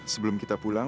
sebelum kita pulang